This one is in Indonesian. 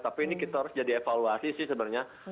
tapi ini kita harus jadi evaluasi sih sebenarnya